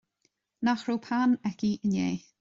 Nach raibh peann aici inné